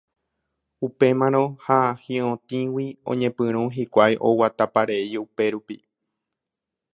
Upémarõ ha hi'otĩgui oñepyrũ hikuái oguataparei upérupi.